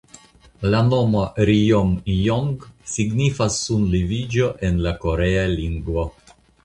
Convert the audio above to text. La nomo "Rjomjong" signifas "sunleviĝo" en la Korea lingvo.